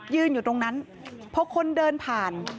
อยู่ตรงนั้นพอคนเดินผ่าน